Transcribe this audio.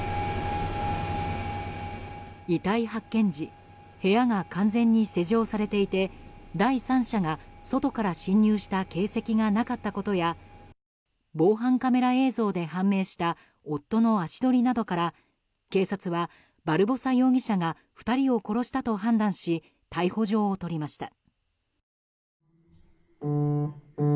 遺体発見時部屋が完全に施錠されていて第三者が外から侵入した形跡がなかったことや防犯カメラ映像で判明した夫の足取りなどから警察はバルボサ容疑者が２人を殺したと判断し逮捕状を取りました。